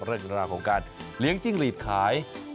เรื่องราวของการเลี้ยงจิ้งหลีดขาย